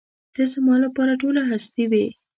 ته زما لپاره ټوله هستي وې.